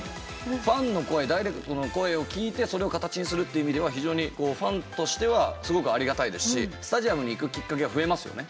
ファンの声ダイレクトの声を聞いてそれを形にするって意味では非常にファンとしてはすごくありがたいですしスタジアムに行くきっかけが増えますよね。